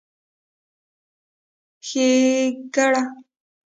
ښېګړه